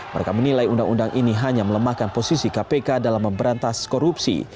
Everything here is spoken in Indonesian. mereka menilai undang undang ini hanya melemahkan posisi kpk dalam memberantas korupsi